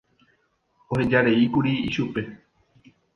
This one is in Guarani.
ohejareíkuri ichupe